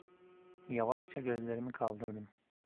Yavaşça gözlerimi kaldırdım.